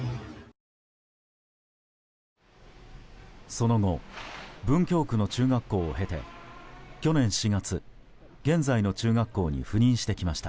その後、文京区の中学校を経て去年４月、現在の中学校に赴任してきました。